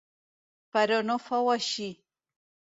Però no fou així.